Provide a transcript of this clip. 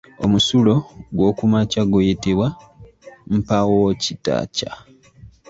Omusulo gw’okumakya guyitibwa Mpaawokitakya.